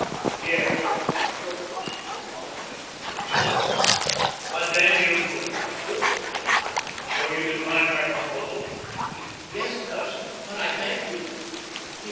Pierre shrugged his shoulders. " What a notion I " he said. '* But, then, you could not do it ... So you decline my proposal ?"" Yes, cousin ; but I thank you.